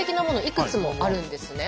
いくつもあるんですね。